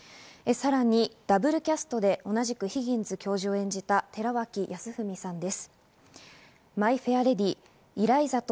さらにダブルキャストで同じくヒギンズ教授を演じた寺脇康文さんです。